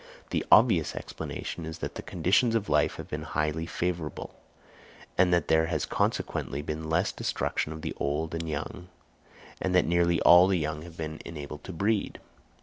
The obvious explanation is that the conditions of life have been highly favourable, and that there has consequently been less destruction of the old and young and that nearly all the young have been enabled to breed.